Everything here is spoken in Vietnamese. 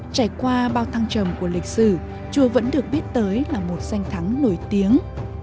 trải qua bao thăng trầm của lịch sử chùa vẫn được biết tới là một danh thắng nổi tiếng